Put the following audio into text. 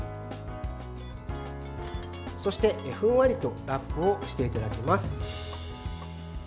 そして、ふんわりとラップをしていただきます。